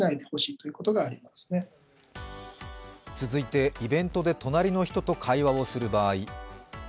続いて、イベントで隣の人と会話をする場合。